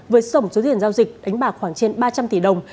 với tổng số tiền giao dịch đánh bạc khoảng trên ba trăm linh tỷ đồng